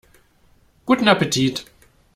Guten Appetit!